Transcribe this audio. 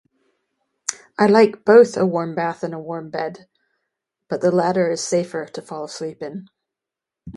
I like both a warm bath and a warm bed. But, the latter is safer to fall asleep in.